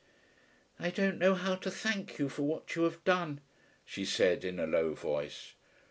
"I don't know how to thank you for what you have done," she said, in a low voice.